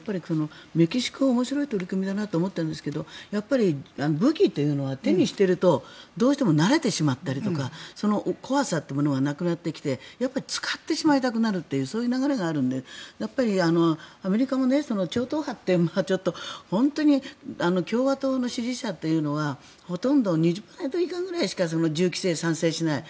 メキシコは面白い取り組みだなと思ってるんですがやっぱり武器というのは手にしているとどうしても慣れてしまったりとか怖さというものがなくなってきて使ってしまいたくなるというそういう流れがあるのでアメリカも超党派って本当に共和党の支持者というのはほとんど２０％以下ぐらいしか銃規制に賛成しない。